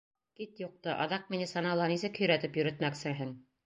— Кит юҡты, аҙаҡ мине санала нисек һөйрәтеп йөрөтмәксеһең?